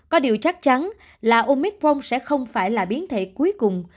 có điều chắc chắn là omicron sẽ không phải là biến thể cuối cùng